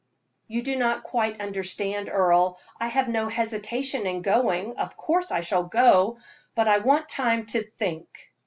"You do not quite understand, Earle. I have no hesitation in going. Of course I shall go, but I want time to think."